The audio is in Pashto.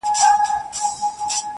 د جفا برخه يې جولۍ له ارمانى راغله